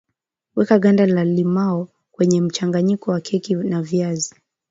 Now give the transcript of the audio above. weka ganda la limao kenye mchanganyiko wa keki ya viazi